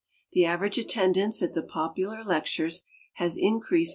The average attendance at the ])opular lectures has increased